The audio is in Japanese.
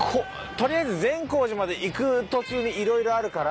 とりあえず善光寺まで行く途中に色々あるから。